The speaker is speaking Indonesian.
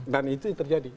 dan itu yang terjadi